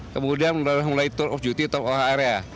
kemudian melalui tour of duty atau ohra